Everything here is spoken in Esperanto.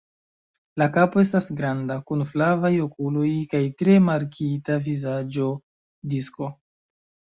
La kapo estas granda, kun flavaj okuloj kaj tre markita vizaĝo disko.